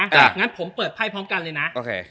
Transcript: รู้ละนะงั้นผมเปิดไพ่พร้อมกันเลยนะ